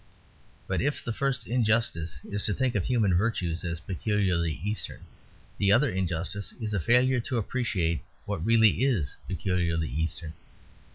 But if the first injustice is to think of human virtues as peculiarly Eastern, the other injustice is a failure to appreciate what really is peculiarly Eastern.